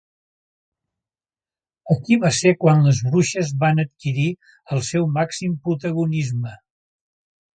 Aquí va ser quan les bruixes van adquirir el seu màxim protagonisme.